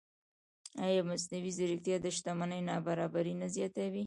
ایا مصنوعي ځیرکتیا د شتمنۍ نابرابري نه زیاتوي؟